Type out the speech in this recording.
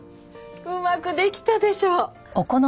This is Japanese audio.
うまくできたでしょ？